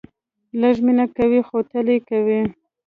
لږ مینه کوئ ، خو تل یې کوئ